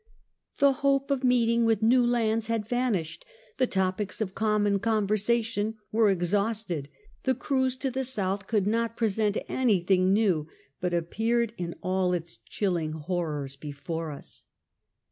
"The hope of meeting with new lands Iiad vanish('d ; the topics of common conver.sition were exhausted ; the cruise to the south could not present anything new, but appeared in all its chilling honors hef4»re us."